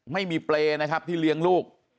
ไม่มีเปรย์นะครับที่เลี้ยงลูก